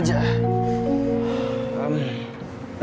gak ada apa apa cuman capek aja